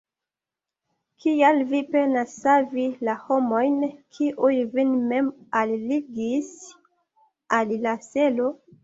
Kial vi penas savi la homojn, kiuj vin mem alligis al la selo?